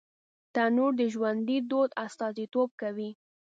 تنور د ژوندي دود استازیتوب کوي